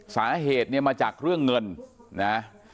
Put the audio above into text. สาเหตุเนี่ยมาจากเรื่องเงินนะ